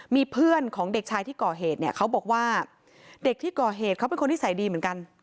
มีเพื่อนของเด็กชายที่ก่อเหตุเนี่ยเขาบอกว่าเด็กที่ก่อเหตุเขาเป็นคนนิสัยดีเหมือนกัน